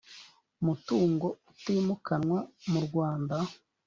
mutungo utimukanwa mu rwanda